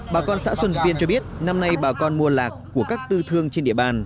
bà con xã xuân viên cho biết năm nay bà con mua lạc của các tư thương trên địa bàn